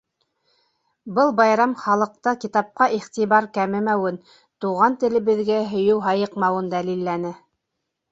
Был байрам халыҡта китапҡа иғтибар кәмемәүен, туған телебеҙгә һөйөү һайыҡмауын дәлилләне.